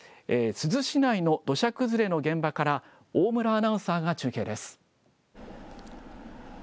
珠洲市内の土砂崩れの現場から、大村アナウンサーが中継です。